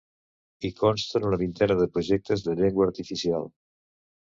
Hi consten una vintena de projectes de llengua artificial.